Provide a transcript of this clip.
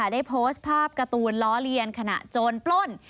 ได้โพสต์ภาพการ์ตูนล้อเลียนขณะโจรปล้น